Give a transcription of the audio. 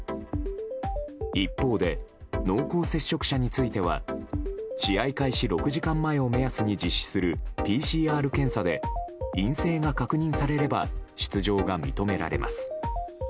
一方で、濃厚接触者については試合開始６時間前を目安に実施するＰＣＲ検査で陰性が確認されれば出場が認められます。